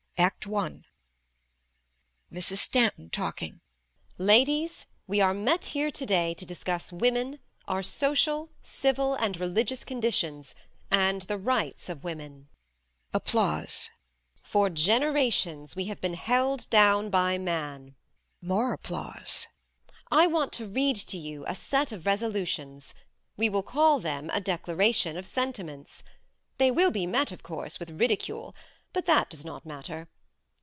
ACT I. MRS. STANTON TALKING: Ladies we are met here today to discuss women, our social, civil and religious conditions, and the rights of women. For generations we have been held down by man (more applause). I want to read to you a set of resolutions. We will call them a Declaration of Sentiments. They will be met of course with ridicule but that does not matter.